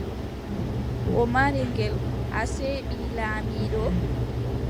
O maari ngel, asee, ɓii laamiiɗo.